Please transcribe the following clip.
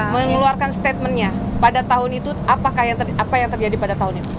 mengeluarkan statementnya pada tahun itu apa yang terjadi pada tahun itu